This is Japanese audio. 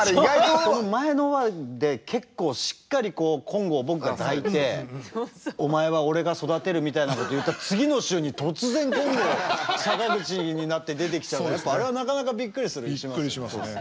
その前の話で結構しっかり金剛を僕が抱いてお前は俺が育てるみたいなことを言った次の週に突然金剛が坂口になって出てきちゃうからあれはなかなかびっくりするね。